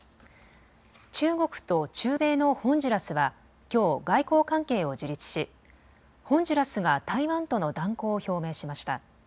中国と中米のホンジュラスはきょう外交関係を樹立しホンジュラスが台湾との断交を表明しました。